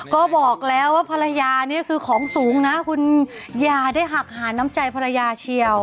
ก็บอกแล้วว่าภรรยานี่คือของสูงนะคุณอย่าได้หักหาน้ำใจภรรยาเชียว